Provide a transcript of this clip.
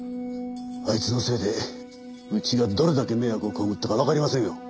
あいつのせいでうちがどれだけ迷惑を被ったかわかりませんよ。